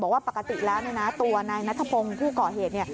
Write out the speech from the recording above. บอกว่าปกติแล้วตัวนายนัทพงศ์ผู้ก่อเหตุ